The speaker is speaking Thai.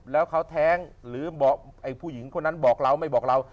แล้วเขาแท้งหรือบอกไอ้ผู้หญิงคนนั้นบอกเราไม่บอกเรา